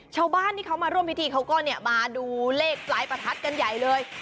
ชาวบ้านที่เขามาร่วมพิธีเขาก็มาดูเลขปลายประทัดกันใหญ่เลย